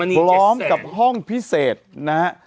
พร้อมกับห้องพิเศษนะฮะ